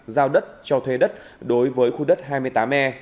giao đất cho thuê đất đối với khu đất hai mươi tám e